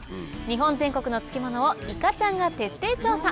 日本全国の漬物をいかちゃんが徹底調査。